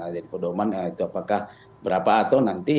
jadi berdoa man itu apakah berapa atau nanti